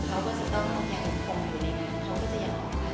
เขาก็จะต้องต้องแข่งอุทธิธรรมอยู่ในการเขาก็จะยังออกการไม่ได้